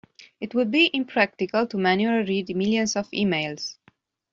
It would be impractical to manually read millions of emails.